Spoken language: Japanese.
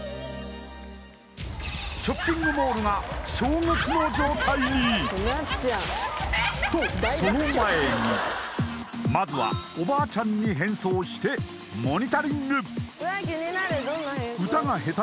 ショッピングモールが衝撃の状態に！とまずはおばあちゃんに変装してモニタリング！